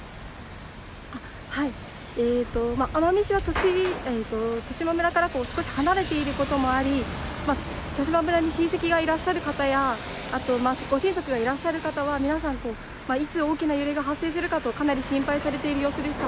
奄美市は十島村から少し離れていることもあり、十島村に親戚がいらっしゃる方、ご親族がいらっしゃる方は、皆さんいつ大きな揺れが発生するかとかなり心配されている様子でした。